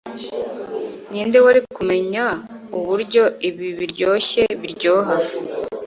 ninde wari kumenya uburyo ibi biryoshye biryoha